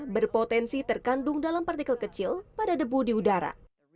berpotensi terkandung dalam partikel kecil pada debu di udara